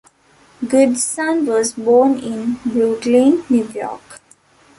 Goodson was born in Brooklyn, New York.